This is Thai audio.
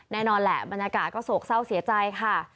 แน่นอนแหละบรรยากาศก็โศกเศร้าเสียใจค่ะ